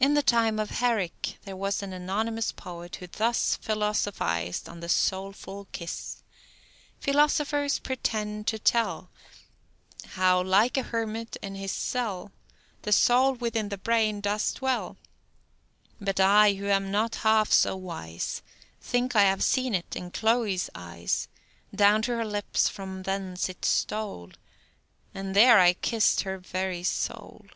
In the time of Herrick there was an anonymous poet who thus philosophized on the "soulful kiss": Philosophers pretend to tell How, like a hermit in his cell, The soul within the brain does dwell. But I, who am not half so wise, Think I have seen't in Chloe's eyes; Down to her lips from thence it stole, And there I kiss'd her very soul.